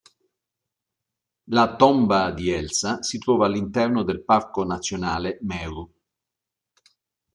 La tomba di Elsa si trova all'interno del Parco nazionale Meru.